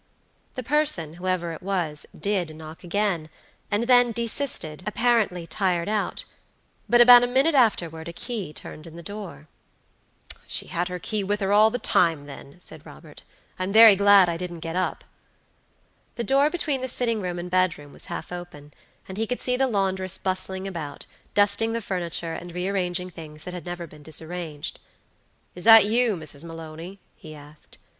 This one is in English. The person, whoever it was, did knock again, and then desisted, apparently tired out; but about a minute afterward a key turned in the door. "She had her key with her all the time, then," said Robert. "I'm very glad I didn't get up." The door between the sitting room and bed room was half open, and he could see the laundress bustling about, dusting the furniture, and rearranging things that had never been disarranged. "Is that you, Mrs. Maloney?" he asked.